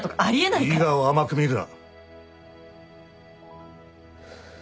伊賀を甘く見るな